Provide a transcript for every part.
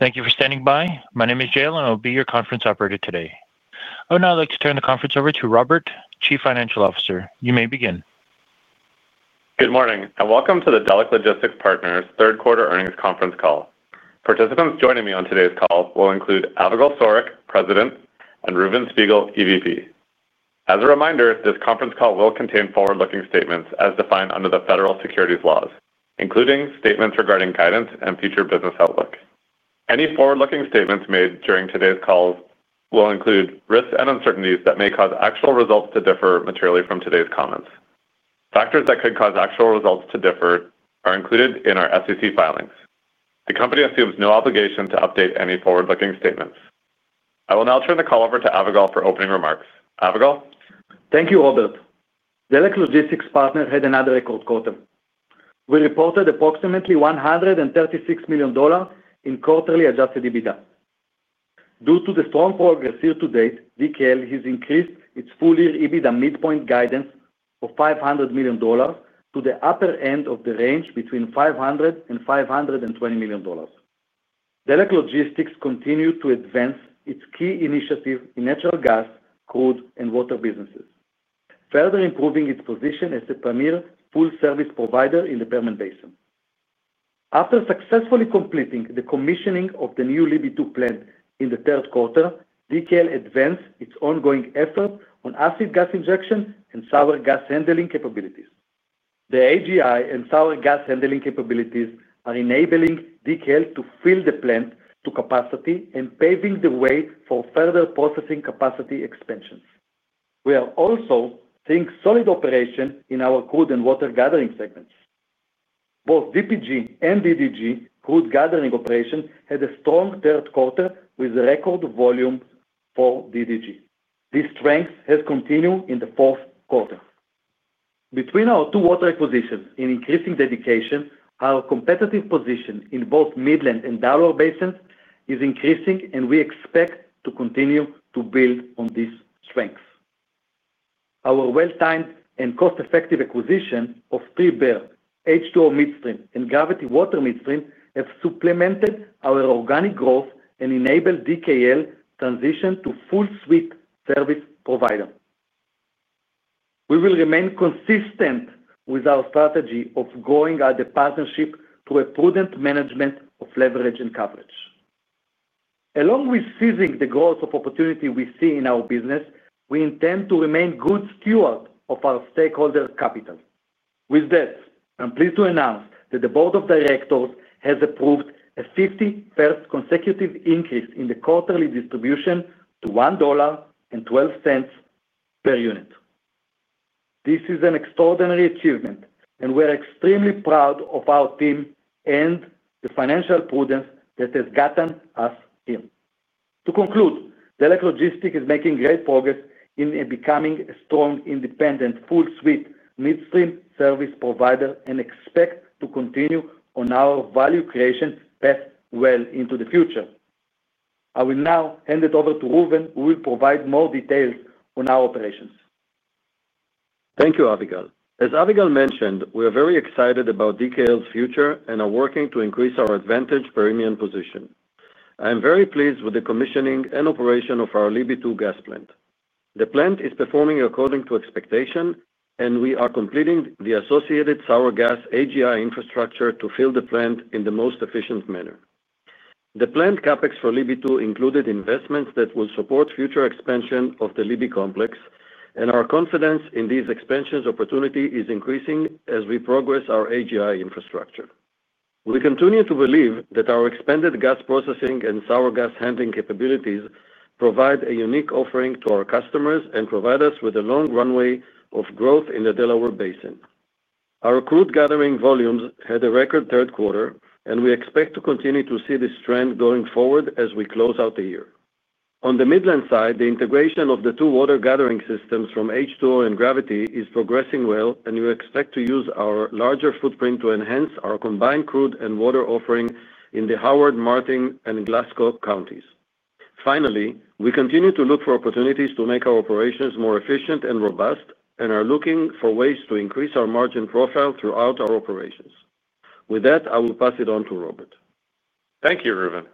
Thank you for standing by. My name is Jalen, and I'll be your conference operator today. Oh, now I'd like to turn the conference over to Robert, Chief Financial Officer. You may begin. Good morning, and welcome to the Delek Logistics Partners Third-Quarter Earnings Conference Call. Participants joining me on today's call will include Avigal Soreq, President, and Reuven Spiegel, EVP. As a reminder, this conference call will contain forward-looking statements as defined under the federal securities laws, including statements regarding guidance and future business outlook. Any forward-looking statements made during today's calls will include risks and uncertainties that may cause actual results to differ materially from today's comments. Factors that could cause actual results to differ are included in our SEC filings. The company assumes no obligation to update any forward-looking statements. I will now turn the call over to Avigal for opening remarks. Avigal? Thank you, Robert. Delek Logistics Partners had another record quarter. We reported approximately $136 million in quarterly adjusted EBITDA. Due to the strong progress year to date, DKL has increased its full-year EBITDA midpoint guidance of $500 million to the upper end of the range between $500 million and $520 million. Delek Logistics continued to advance its key initiatives in natural gas, crude, and water businesses, further improving its position as the premier full-service provider in the Permian Basin. After successfully completing the commissioning of the new Libby 2 plant in the third quarter, DKL advanced its ongoing efforts on acid gas injection and sour gas handling capabilities. The AGI and sour gas handling capabilities are enabling DKL to fill the plant to capacity and paving the way for further processing capacity expansions. We are also seeing solid operations in our crude and water gathering segments. Both DPG and DDG crude gathering operations had a strong third quarter with record volume for DDG. This strength has continued in the fourth quarter. Between our two water acquisitions and increasing dedication, our competitive position in both Midland and Delaware Basins is increasing, and we expect to continue to build on this strength. Our well-timed and cost-effective acquisition of three bare H2O Midstream and Gravity Water Midstream has supplemented our organic growth and enabled DKL's transition to full-suite service provider. We will remain consistent with our strategy of growing our partnership through a prudent management of leverage and coverage. Along with seizing the growth of opportunity we see in our business, we intend to remain good stewards of our stakeholder capital. With that, I'm pleased to announce that the Board of Directors has approved a 51st consecutive increase in the quarterly distribution to $1.12 per unit. This is an extraordinary achievement, and we are extremely proud of our team and the financial prudence that has gotten us here. To conclude, Delek Logistics is making great progress in becoming a strong, independent, full-suite midstream service provider and expects to continue on our value creation path well into the future. I will now hand it over to Reuven, who will provide more details on our operations. Thank you, Avigal. As Avigal mentioned, we are very excited about DKL's future and are working to increase our advantage Permian position. I am very pleased with the commissioning and operation of our Libby 2 gas plant. The plant is performing according to expectation, and we are completing the associated sour gas AGI infrastructure to fill the plant in the most efficient manner. The plant CapEx for Libby 2 included investments that will support future expansion of the Libby complex, and our confidence in these expansion opportunities is increasing as we progress our AGI infrastructure. We continue to believe that our expanded gas processing and sour gas handling capabilities provide a unique offering to our customers and provide us with a long runway of growth in the Delaware Basin. Our crude gathering volumes had a record third quarter, and we expect to continue to see this trend going forward as we close out the year. On the Midland side, the integration of the two water-gathering systems from H2O and Gravity is progressing well, and we expect to use our larger footprint to enhance our combined crude and water offering in the Howard, Martin, and Glasscock counties. Finally, we continue to look for opportunities to make our operations more efficient and robust and are looking for ways to increase our margin profile throughout our operations. With that, I will pass it on to Robert. Thank you, Reuven.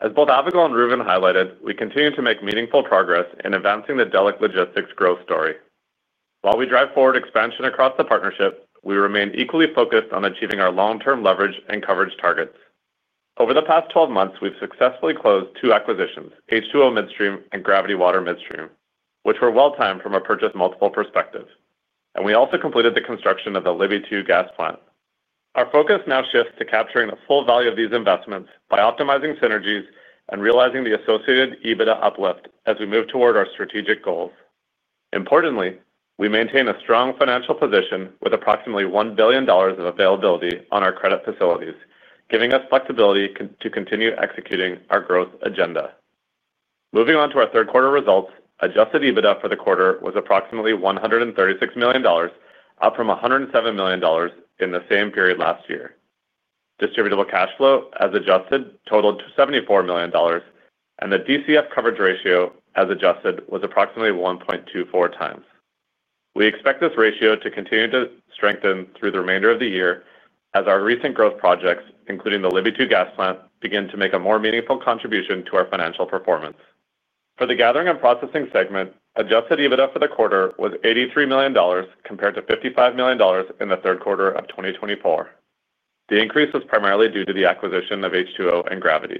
As both Avigal and Reuven highlighted, we continue to make meaningful progress in advancing the Delek Logistics growth story. While we drive forward expansion across the partnership, we remain equally focused on achieving our long-term leverage and coverage targets. Over the past 12 months, we've successfully closed two acquisitions, H2O Midstream and Gravity Water Midstream, which were well-timed from a purchase multiple perspective, and we also completed the construction of the Libby 2 gas plant. Our focus now shifts to capturing the full value of these investments by optimizing synergies and realizing the associated EBITDA uplift as we move toward our strategic goals. Importantly, we maintain a strong financial position with approximately $1 billion of availability on our credit facilities, giving us flexibility to continue executing our growth agenda. Moving on to our third-quarter results, adjusted EBITDA for the quarter was approximately $136 million, up from $107 million in the same period last year. Distributable cash flow, as adjusted, totaled $74 million, and the DCF coverage ratio, as adjusted, was approximately 1.24x. We expect this ratio to continue to strengthen through the remainder of the year as our recent growth projects, including the Libby 2 gas plant, begin to make a more meaningful contribution to our financial performance. For the gathering and processing segment, adjusted EBITDA for the quarter was $83 million compared to $55 million in the third quarter of 2024. The increase was primarily due to the acquisition of H2O and Gravity.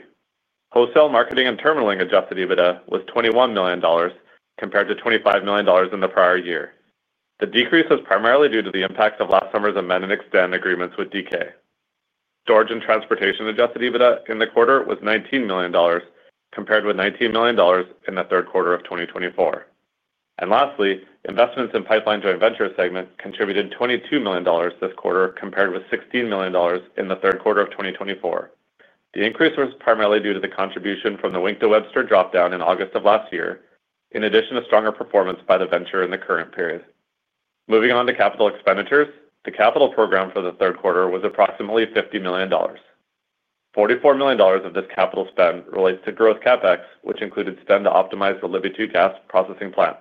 Wholesale marketing and terminaling adjusted EBITDA was $21 million compared to $25 million in the prior year. The decrease was primarily due to the impacts of last summer's amend and extend agreements with DK. Storage and transportation adjusted EBITDA in the quarter was $19 million compared with $19 million in the third quarter of 2024. Lastly, investments in pipeline joint venture segment contributed $22 million this quarter compared with $16 million in the third quarter of 2024. The increase was primarily due to the contribution from the Wink to Webster dropdown in August of last year, in addition to stronger performance by the venture in the current period. Moving on to capital expenditures, the capital program for the third quarter was approximately $50 million. $44 million of this capital spend relates to growth CapEx, which included spend to optimize the Libby 2 gas processing plant.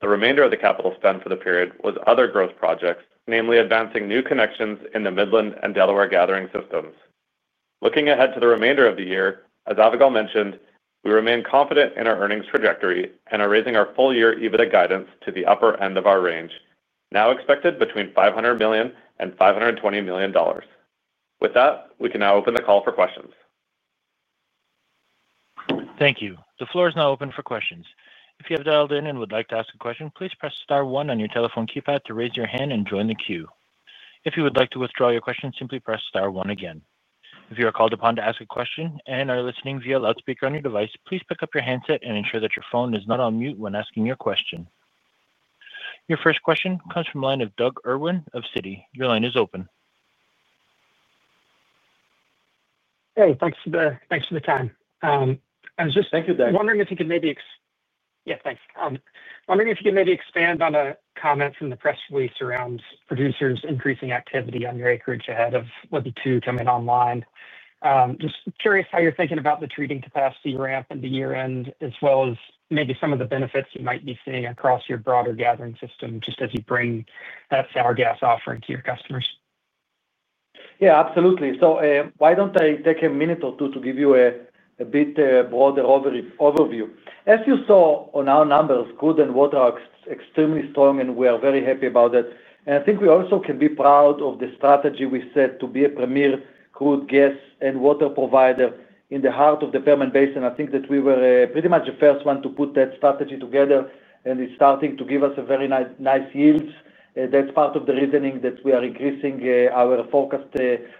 The remainder of the capital spend for the period was other growth projects, namely advancing new connections in the Midland and Delaware gathering systems. Looking ahead to the remainder of the year, as Avigal mentioned, we remain confident in our earnings trajectory and are raising our full-year EBITDA guidance to the upper end of our range, now expected between $500 million and $520 million. With that, we can now open the call for questions. Thank you. The floor is now open for questions. If you have dialed in and would like to ask a question, please press star one on your telephone keypad to raise your hand and join the queue. If you would like to withdraw your question, simply press star one again. If you are called upon to ask a question and are listening via loudspeaker on your device, please pick up your handset and ensure that your phone is not on mute when asking your question. Your first question comes from the line of Doug Irwin of Citi. Your line is open. Hey, thanks for the time. I was just wondering if you could maybe—yeah, thanks. Wondering if you could maybe expand on a comment from the press release around producers' increasing activity on your acreage ahead of Libby 2 coming online. Just curious how you're thinking about the treating capacity ramp at the year-end, as well as maybe some of the benefits you might be seeing across your broader gathering system just as you bring that sour gas offering to your customers. Yeah, absolutely. Why don't I take a minute or two to give you a bit broader overview? As you saw on our numbers, crude and water are extremely strong, and we are very happy about that. I think we also can be proud of the strategy we set to be a premier crude, gas, and water provider in the heart of the Permian Basin. I think that we were pretty much the first one to put that strategy together, and it's starting to give us very nice yields. That's part of the reasoning that we are increasing our forecast,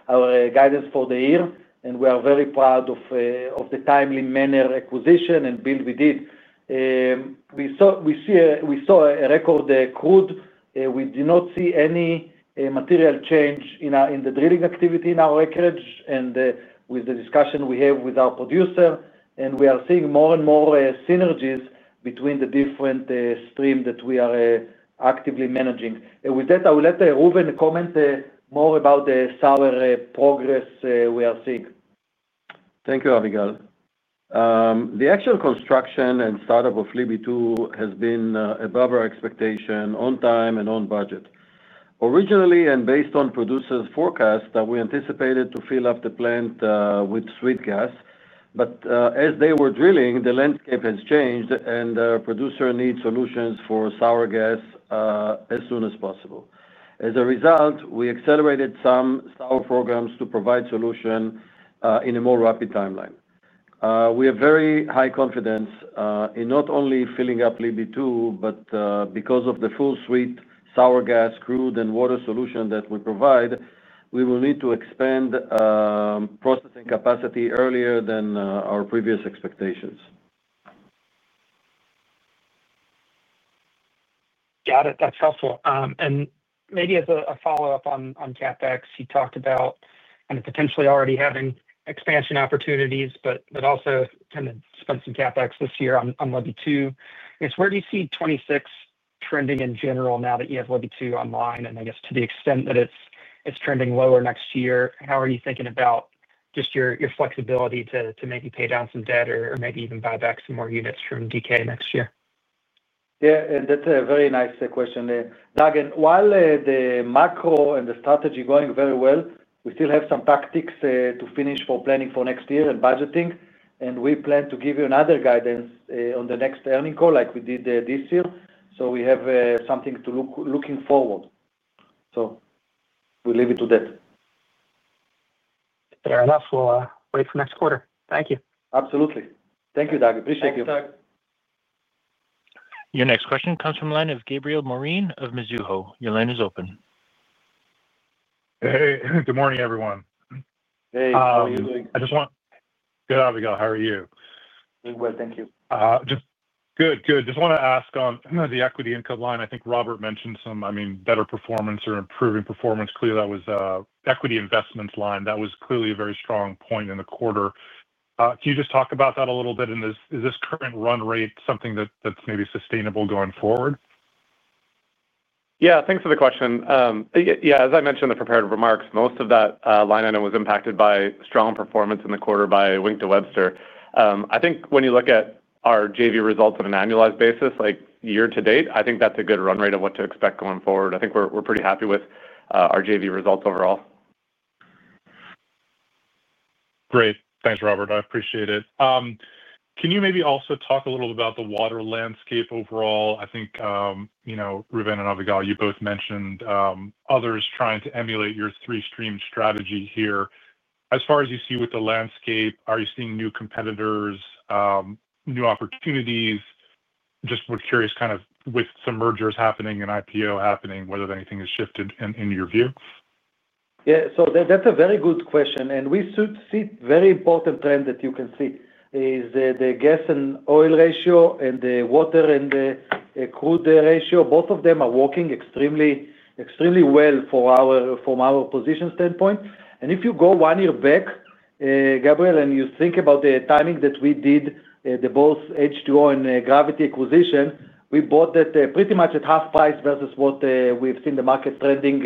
our guidance for the year, and we are very proud of the timely manner acquisition and build we did. We saw a record crude. We did not see any material change in the drilling activity in our acreage with the discussion we had with our producer, and we are seeing more and more synergies between the different streams that we are actively managing. With that, I will let Reuven comment more about the sour progress we are seeing. Thank you, Avigal. The actual construction and startup of Libby 2 has been above our expectation, on time and on budget. Originally, and based on producers' forecasts, we anticipated to fill up the plant with sweet gas, but as they were drilling, the landscape has changed, and producers need solutions for sour gas as soon as possible. As a result, we accelerated some sour programs to provide solutions in a more rapid timeline. We have very high confidence in not only filling up Libby 2, but because of the full-suite sour gas, crude, and water solution that we provide, we will need to expand processing capacity earlier than our previous expectations. Got it. That's helpful. Maybe as a follow-up on CapEx, you talked about kind of potentially already having expansion opportunities, but also kind of spent some CapEx this year on Libby 2. I guess, where do you see 2026 trending in general now that you have Libby 2 online? I guess to the extent that it's trending lower next year, how are you thinking about just your flexibility to maybe pay down some debt or maybe even buy back some more units from DK next year? Yeah, that's a very nice question. Doug, while the macro and the strategy are going very well, we still have some tactics to finish for planning for next year and budgeting, and we plan to give you another guidance on the next earning call like we did this year. We have something to look forward to. We will leave it to that. Fair enough. We'll wait for next quarter. Thank you. Absolutely. Thank you, Doug. Appreciate you. Thanks, Doug. Your next question comes from the line of Gabriel Moreen of Mizuho. Your line is open. Hey, good morning, everyone. Hey, how are you doing? Good, Avigal. How are you? Doing well, thank you. Good, good. Just want to ask on the equity income line, I think Robert mentioned some, I mean, better performance or improving performance. Clearly, that was an equity investments line. That was clearly a very strong point in the quarter. Can you just talk about that a little bit? Is this current run rate something that's maybe sustainable going forward? Yeah, thanks for the question. Yeah, as I mentioned in the prepared remarks, most of that line item was impacted by strong performance in the quarter by Wink to Webster. I think when you look at our JV results on an annualized basis, like year-to-date, I think that's a good run rate of what to expect going forward. I think we're pretty happy with our JV results overall. Great. Thanks, Robert. I appreciate it. Can you maybe also talk a little about the water landscape overall? I think Reuven and Avigal, you both mentioned others trying to emulate your three-stream strategy here. As far as you see with the landscape, are you seeing new competitors, new opportunities? Just curious kind of with some mergers happening and IPO happening, whether anything has shifted in your view. Yeah, so that's a very good question. We see a very important trend that you can see is the gas and oil ratio and the water and the crude ratio. Both of them are working extremely well from our position standpoint. If you go one year back, Gabriel, and you think about the timing that we did both H2O and Gravity acquisition, we bought that pretty much at half price versus what we've seen the market trending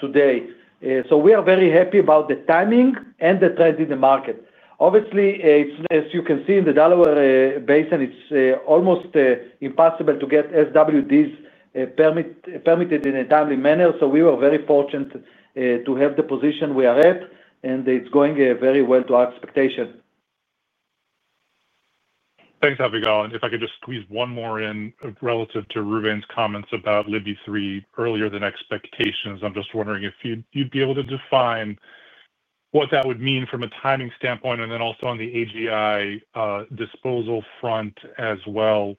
today. We are very happy about the timing and the trend in the market. Obviously, as you can see in the Delaware Basin, it's almost impossible to get SWDs permitted in a timely manner. We were very fortunate to have the position we are at, and it's going very well to our expectation. Thanks, Avigal. If I could just squeeze one more in relative to Reuven's comments about Libby 3 earlier than expectations, I'm just wondering if you'd be able to define what that would mean from a timing standpoint and then also on the AGI disposal front as well,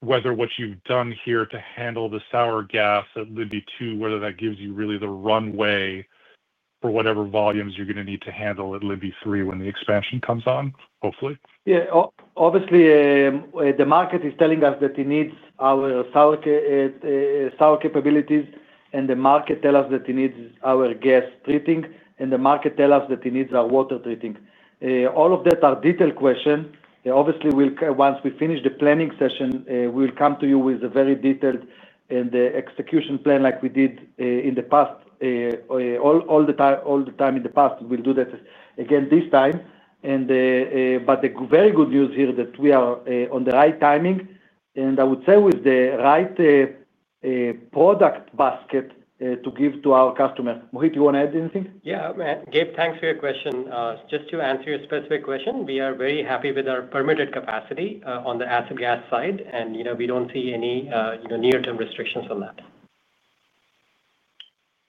whether what you've done here to handle the sour gas at Libby 2, whether that gives you really the runway for whatever volumes you're going to need to handle at Libby 3 when the expansion comes on, hopefully. Yeah, obviously, the market is telling us that it needs our sour capabilities, and the market tells us that it needs our gas treating, and the market tells us that it needs our water treating. All of that are detailed questions. Obviously, once we finish the planning session, we'll come to you with a very detailed and execution plan like we did in the past. All the time in the past, we'll do that again this time. The very good news here is that we are on the right timing, and I would say with the right product basket to give to our customers. Mohit, you want to add anything? Yeah, Gabe, thanks for your question. Just to answer your specific question, we are very happy with our permitted capacity on the acid gas side, and we do not see any near-term restrictions on that.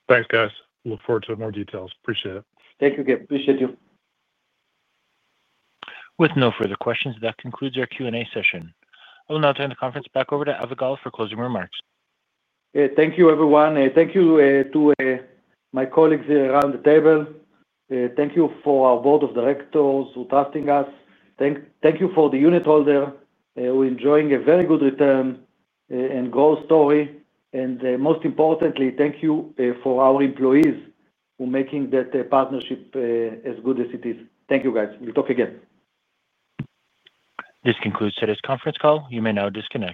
Thanks, guys. Look forward to more details. Appreciate it. Thank you, Gabe. Appreciate you. With no further questions, that concludes our Q&A session. I will now turn the conference back over to Avigal for closing remarks. Thank you, everyone. Thank you to my colleagues around the table. Thank you for our board of directors who trusted us. Thank you for the unit holder. We're enjoying a very good return and growth story. Most importantly, thank you for our employees who are making that partnership as good as it is. Thank you, guys. We'll talk again. This concludes today's conference call. You may now disconnect.